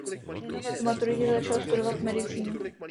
Po maturitě začal studovat medicínu.